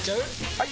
・はい！